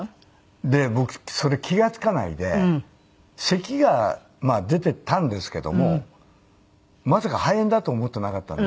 で僕それ気が付かないでせきが出てたんですけどもまさか肺炎だと思ってなかったので。